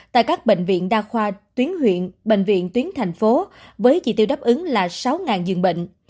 tại các bệnh viện đa khoa tuyến huyện bệnh viện tuyến thành phố với chỉ tiêu đáp ứng là sáu dường bệnh